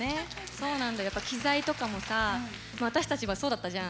そうなんだよやっぱ機材とかもさ私たちはそうだったじゃん。